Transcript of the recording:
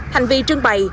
hành vi trưng bày